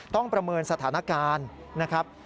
ประเมินสถานการณ์นะครับ